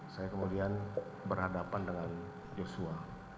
saya kemudian berhadapan dengan joshua